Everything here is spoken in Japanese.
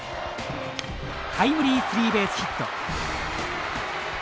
タイムリースリーベースヒット。